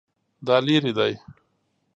دا لیرې دی؟